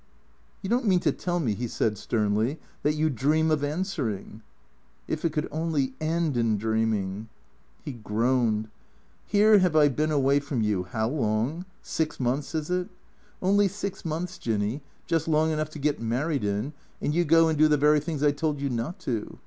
" You don't mean to tell me," he said sternly, " that you dream of answering ?"" If it could only end in dreaming." He groaned. "Here have I been away from you, how long? 8 120 THECEEATOES Six months, is it? Only six months, Jinny, Just long enough to get married in, and you go and do the very things I told you not to.